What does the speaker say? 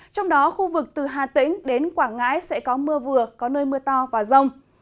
trong đó khu vực từ hà tĩnh đến quảng ngãi sẽ có mưa vừa có nơi mưa to và rông